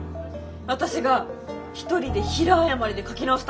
私が一人で平謝りで描き直し頼んだの。